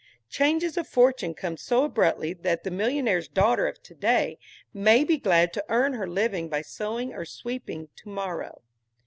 Changes of fortune come so abruptly that the millionaire's daughter of to day may be glad to earn her living by sewing or sweeping tomorrow.